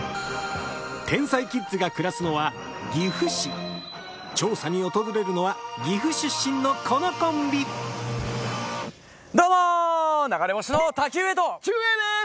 天才キッズが暮らすのは岐阜市調査に訪れるのは岐阜出身のこのコンビどうも流れ星☆のたきうえとちゅうえいです